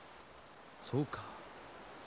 そうか。